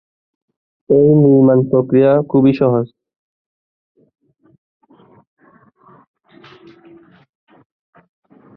এর নির্মাণপ্রক্রিয়া খুবই সহজ।